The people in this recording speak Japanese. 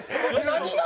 何が？